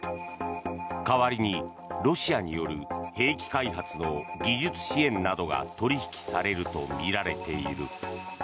代わりにロシアによる兵器開発の技術支援などが取引されるとみられている。